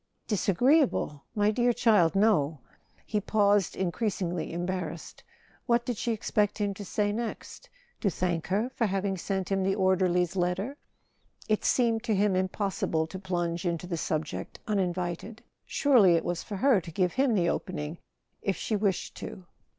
"Disagreeable? My dear child, no." He paused, increasingly embarrassed. What did she expect him to say next? To thank her for having sent him the or¬ derly's letter? It seemed to him impossible to plunge into the subject uninvited. Surely it was for her to give him the opening, if she wished to.